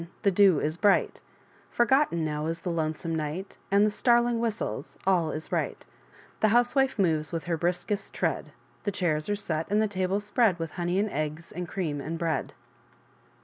The Dew is bright ; Forgotten now 9 Is the lonesome iV/^g'A^ And the i*^<zr/m^ whistles, All is rigbt^ The Mouse wife moves With her briskest tread The Chairs at e se t , And the table spread 3 ^^\\^\ Honey and&^J And Cream and Bread, VI.